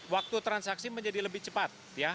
waktu transaksi menjadi lebih cepat